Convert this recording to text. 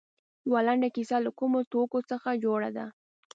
یوه لنډه کیسه له کومو توکو څخه جوړه ده.